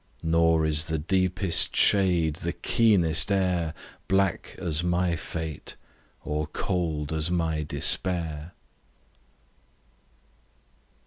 Nor is the deepest shade, the keenest air, Black as my fate, or cold as my despair.